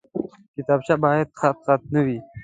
کتابچه باید خطخط نه وي